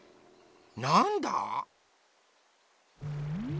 なんだ？